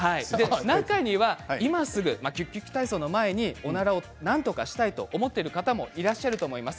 中には今すぐその前におならをなんとかしたいと思っている方もいらっしゃると思います。